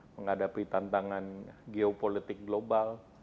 menghadapi tantangan geopolitik global